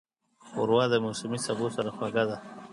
ښوروا د موسمي سبو سره خوږه ده.